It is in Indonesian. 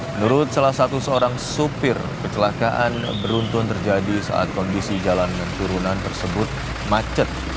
menurut salah satu seorang supir kecelakaan beruntun terjadi saat kondisi jalan dan turunan tersebut macet